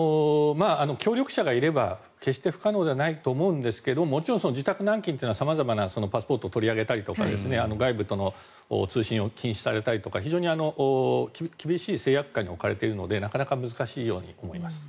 協力者がいれば決して不可能ではないと思うんですがもちろん自宅軟禁というのは様々なパスポートを取り上げたりとか外部との通信を禁止されたりとか非常に厳しい制約下に置かれているのでなかなか難しいように思います。